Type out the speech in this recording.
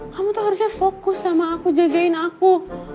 kamu tuh harusnya fokus sama aku jagain aku